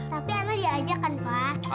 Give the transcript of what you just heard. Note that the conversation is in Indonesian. tapi anah diajak kan pa